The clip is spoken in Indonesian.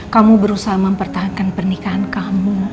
kamu berusaha mempertahankan pernikahan kamu